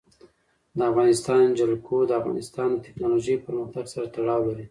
د افغانستان جلکو د افغانستان د تکنالوژۍ پرمختګ سره تړاو لري.